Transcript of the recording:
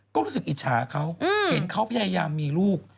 ก็รู้สึกอิจฉาเขาเห็นเขาพยายามมีลูก